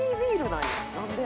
なんで？」